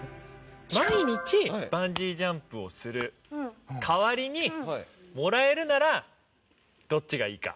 毎日バンジージャンプをする代わりにもらえるならどっちがいいか？